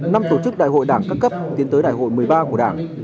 năm tổ chức đại hội đảng các cấp tiến tới đại hội một mươi ba của đảng